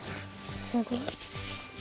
すごい。